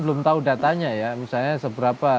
belum tahu datanya ya misalnya seberapa